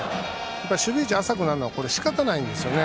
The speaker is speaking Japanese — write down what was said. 守備位置が浅くなるのは仕方ないんですね。